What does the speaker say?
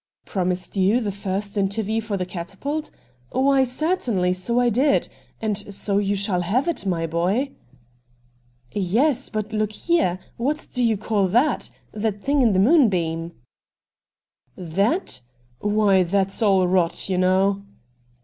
' Promised you the first interview for the " Catapult "? Why, certainly, so I did And so you shall have it, my boy.' 'Yes, but look here; what do you call that — that thincf in the '* Moonbeam "?'' That ? Why, that's all rot, you know.'